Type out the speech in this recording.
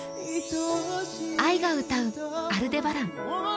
ＡＩが歌う「アルデバラン」。